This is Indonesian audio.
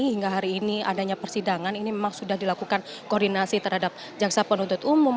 hingga hari ini adanya persidangan ini memang sudah dilakukan koordinasi terhadap jaksa penuntut umum